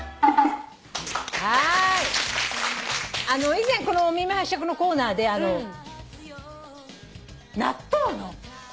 以前お耳拝借のコーナーで納豆の。